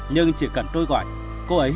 nhưng chỉ cần tôi gọi cô ấy